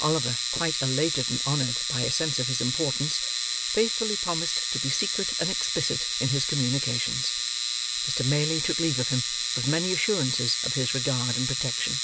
Oliver, quite elated and honoured by a sense of his importance, faithfully promised to be secret and explicit in his communications. Mr. Maylie took leave of him, with many assurances of his regard and protection.